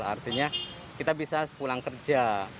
artinya kita bisa sepulang kerja